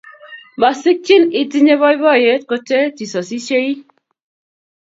Masikchin itinye boiboiyet kote tisosisiei